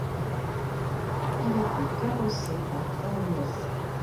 Il était carrossé par Gangloff.